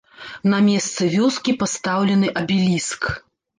На месцы вёскі пастаўлены абеліск.